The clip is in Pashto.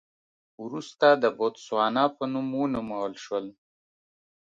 وروسته د بوتسوانا په نوم ونومول شول.